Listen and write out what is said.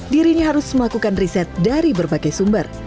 dirinya harus melakukan riset dari berbagai sumber